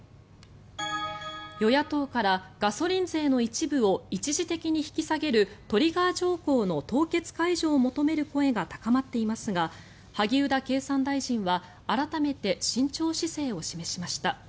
与野党からガソリン税の一部を一時的に引き下げるトリガー条項の凍結解除を求める声が高まっていますが萩生田経産大臣は改めて慎重姿勢を示しました。